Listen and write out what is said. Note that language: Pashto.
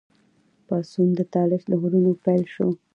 پاڅون د طالش له غرونو پیل شو.